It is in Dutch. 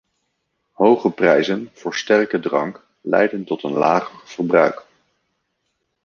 Hoge prijzen voor sterke drank leiden tot een lager verbruik.